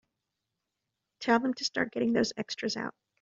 Tell them to start getting those extras out.